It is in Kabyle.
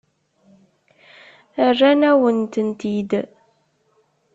Rran-awen-tent-id.